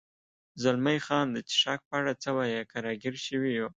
زلمی خان: د څښاک په اړه څه وایې؟ که را ګیر شوي یو.